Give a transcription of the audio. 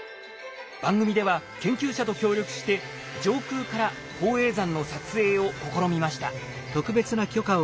番組では研究者と協力して上空から宝永山の撮影を試みました。